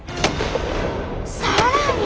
さらに。